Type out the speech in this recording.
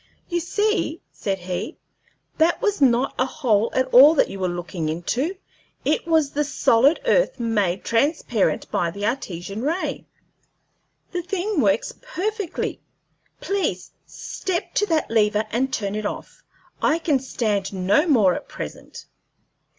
"You see," said he, "that was not a hole at all that you were looking into; it was the solid earth made transparent by the Artesian ray. The thing works perfectly. Please step to that lever and turn it off. I can stand no more at present."